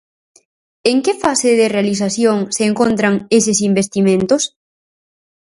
¿En que fase de realización se encontran eses investimentos?